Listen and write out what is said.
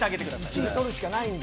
１位取るしかないんだ。